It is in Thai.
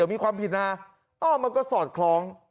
มันก็สอดคล้อง